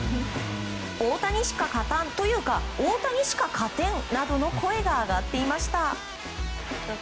「大谷しか勝たん」というか「大谷しか勝てん」などの声が上がっていました。